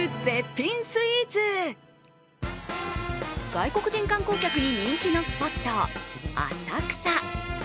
外国人観光客に人気のスポット、浅草。